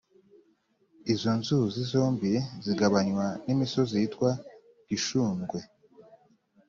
izo nzuzi zombi zigabanywa n'imisozi yitwa gshundwe